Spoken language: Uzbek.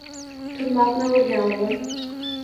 Turmoqni oʻrgan, oʻgʻlim.